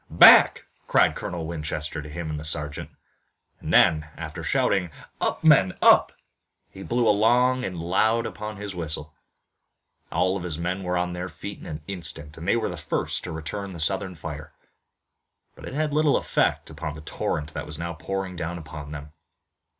"Back!" cried Colonel Winchester to him and the sergeant, and then after shouting, "Up men! Up!" he blew long and loud upon his whistle. All of his men were on their feet in an instant, and they were first to return the Southern fire, but it had little effect upon the torrent that was now pouring down upon them.